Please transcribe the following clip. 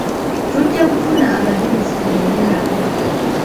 Tujja kufuna abajulizi tugende nabo.